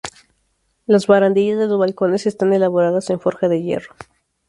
Las barandillas de los balcones están elaboradas en forja de hierro.